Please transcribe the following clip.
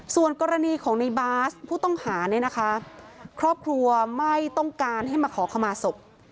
ส่วนกรณีของในบาสผู้ต้องหาเนี่ยนะคะครอบครัวไม่ต้องการให้มาขอขมาศพ